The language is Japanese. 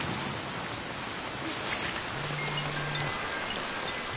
よし。